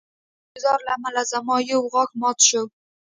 د دې ګزار له امله زما یو غاښ مات شو